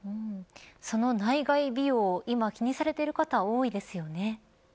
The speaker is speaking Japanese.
その内外美容を今、気にされている方多いですよね。